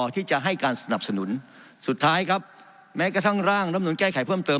ที่จะให้การสนับสนุนสุดท้ายครับแม้กระทั่งร่างรับนูนแก้ไขเพิ่มเติม